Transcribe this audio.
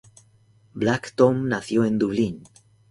Black Tom nació en Dublín.